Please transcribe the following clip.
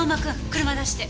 車出して。